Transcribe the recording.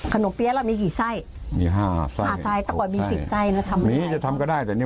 กล่าวว่าจะได้อยุ้มารับ